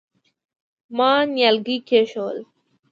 ما نيالګي کېښوول.